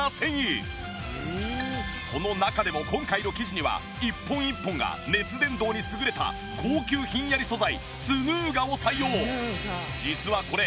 その中でも今回の生地には一本一本が熱伝導に優れた高級ひんやり素材ツヌーガを採用。